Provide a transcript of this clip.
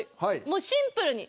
もうシンプルに。